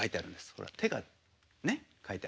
ほら手がね描いてある。